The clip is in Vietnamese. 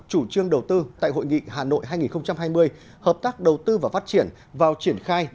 chủ trương đầu tư tại hội nghị hà nội hai nghìn hai mươi hợp tác đầu tư và phát triển vào triển khai